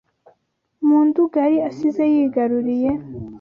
mu Nduga yari asize yigaruriye